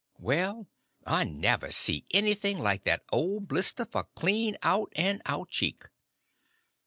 Well, I never see anything like that old blister for clean out and out cheek.